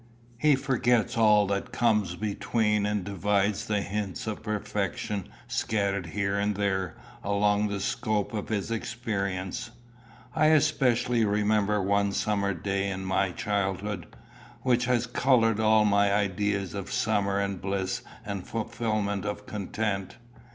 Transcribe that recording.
He forgets all that comes between and divides the hints of perfection scattered here and there along the scope of his experience. I especially remember one summer day in my childhood, which has coloured all my ideas of summer and bliss and fulfilment of content.